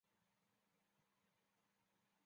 碑记桥位于重庆市涪陵区蒲江乡碑记关村。